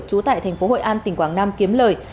trú tại thành phố hội an tỉnh quảng nam kiếm lời